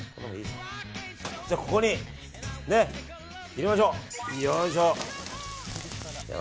じゃあ、ここに入れましょう。